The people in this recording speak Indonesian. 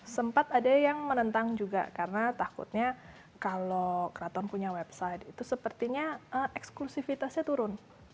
sempat ada yang menentang juga karena takutnya kalau keraton punya website itu sepertinya eksklusifitasnya turun